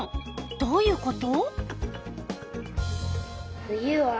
どういうこと？